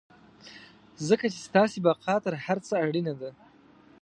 ځکه چې ستاسې بقا تر هر څه اړينه وي.